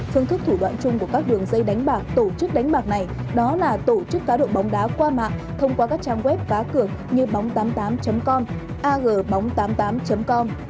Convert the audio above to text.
phương thức thủ đoạn chung của các đường dây đánh bạc tổ chức đánh bạc này đó là tổ chức cá độ bóng đá qua mạng thông qua các trang web cá cược như bóng tám mươi tám com ag bóng tám mươi tám com